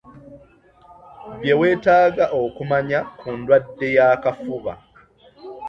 Byewetaaga okumanya ku ndwadde y'akafuba .